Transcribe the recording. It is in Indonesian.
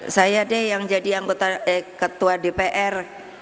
saya deh yang jadi ketua dpr